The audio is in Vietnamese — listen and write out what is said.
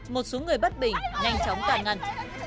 một số người bất bình nhanh chóng tàn ngăn